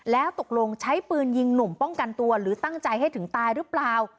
แล้วตกลงใช้ปืนยิงหนุ่มป้องกันตัวหรือตั้งใจให้ถึงตายหรือเปล่า